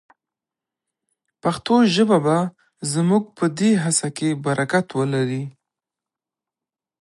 پښتو ژبه به زموږ په دې هڅه کې برکت ولري.